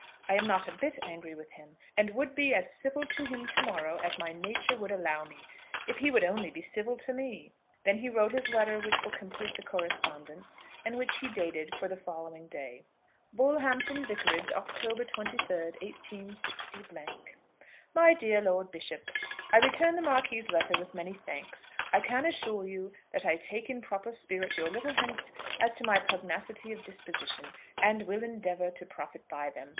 I am not a bit angry with him, and would be as civil to him to morrow as my nature would allow me, if he would only be civil to me." Then he wrote his letter which will complete the correspondence, and which he dated for the following day: Bullhampton Vicarage, Oct. 23, 186 . MY DEAR LORD BISHOP, I return the Marquis's letter with many thanks. I can assure you that I take in proper spirit your little hints as to my pugnacity of disposition, and will endeavour to profit by them.